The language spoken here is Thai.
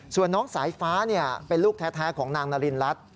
ส่วนน้องสายฟ้าเป็นลูกแท้ของนางนารินรัฐ